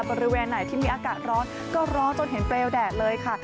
บริเวณไหนที่มีอากาศร้อนก็ร้อนจนเห็นเปลวแดดเลยค่ะ